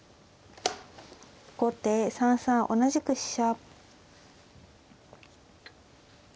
後手３三同じく飛車。